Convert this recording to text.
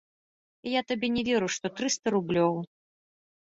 Я табе не веру, што трыста рублёў.